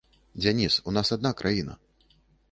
Дзяніс, у нас адна краіна.